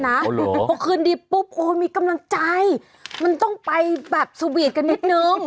ใช่มันเครียดนะเพราะคืนดีปุ๊บโอ้ยมีกำลังใจมันต้องไปแบบสุบีรกันนิดนึง